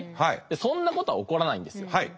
そんなことは起こらないんですよ。